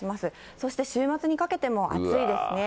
そして週末にかけても暑いですね。